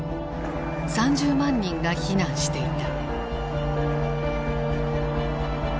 ３０万人が避難していた。